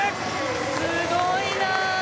すごいな。